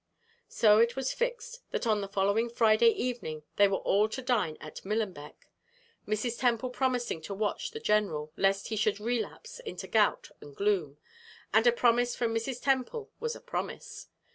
So it was fixed that on the following Friday evening they were all to dine at Millenbeck, Mrs. Temple promising to watch the general, lest he should relapse into gout and gloom and a promise from Mrs. Temple was a promise.